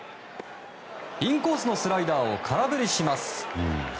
インコースのスライダーを空振りします。